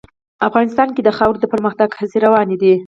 افغانستان کې د خاوره د پرمختګ هڅې روانې دي.